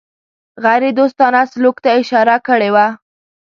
غیردوستانه سلوک ته اشاره کړې وه.